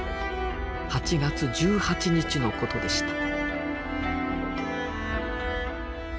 ８月１８日のことでした。